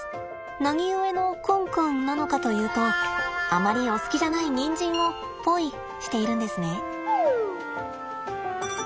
何故のくんくんなのかというとあまりお好きじゃないにんじんをポイしているんですね。